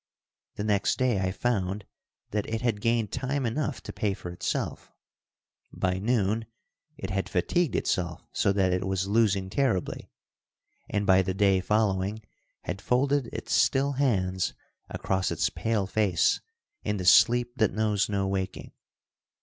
The next day I found that it had gained time enough to pay for itself. By noon, it had fatigued itself so that it was losing terribly, and by the day following had folded its still hands across its pale face in the sleep that knows no waking.